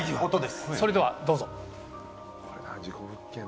それではどうぞ。